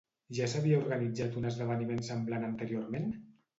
Ja s'havia organitzat un esdeveniment semblant anteriorment?